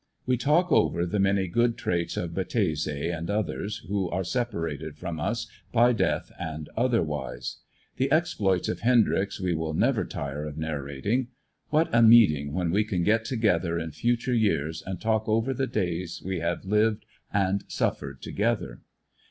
We talk over the many good traits of Battese and others who are separated from us by death and otherwise. The exploits of Hendryx we will never tire of narra ting. What a meeting when we can get together in future years, and talk over the days we have lived and suffered together.